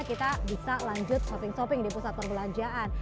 kita bisa lanjut shopping shopping di pusat perbelanjaan